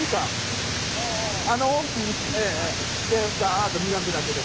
あの大きい石でガッと磨くだけです。